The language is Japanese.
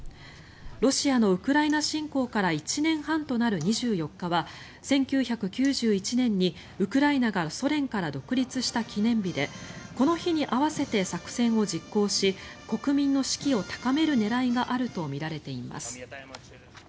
ロシアのウクライナ侵攻から１年半となる２４日は１９９１年にウクライナがソ連から独立した記念日でこの日に合わせて作戦を実行し国民の士気を高める狙いがあるとみられています。